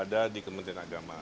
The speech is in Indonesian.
ada di kementerian agama